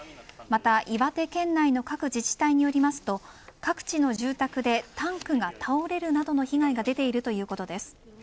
また岩手県内の各自治体によると各地の住宅でタンクが倒れるなどの被害が出ているそうです。